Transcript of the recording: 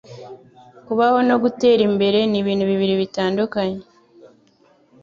Kubaho no gutera imbere ni ibintu bibiri bitandukanye